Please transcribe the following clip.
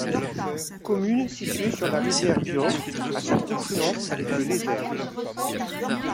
Commune située sur la rivière Viaur, à sa confluence avec le Lézert.